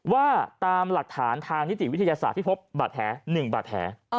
ว่าตามหลักฐานทางนิติวิทยาศาสตร์ที่พบบาดแผล๑บาดแผล